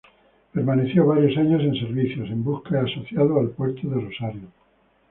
Permaneció varios años en servicio, en buques asociados al puerto de Rosario.